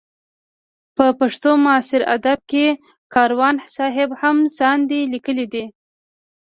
په پښتو معاصر ادب کې کاروان صاحب هم ساندې لیکلې دي.